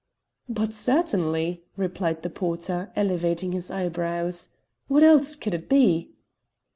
"But certainly," replied the porter, elevating his eyebrows; "what else could it be?"